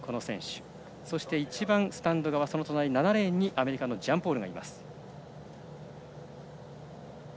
そして一番スタンド側７レーンにアメリカのジャンポール。